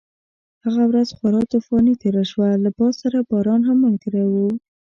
هغه ورځ خورا طوفاني تېره شوه، له باد سره باران هم ملګری و.